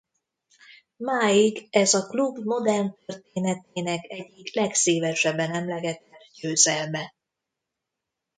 Máig ez a klub modern történetének egyik legszívesebben emlegetett győzelme.